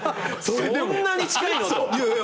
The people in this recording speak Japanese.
そんなに近いの！？と。